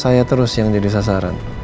saya terus yang jadi sasaran